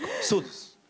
そうです。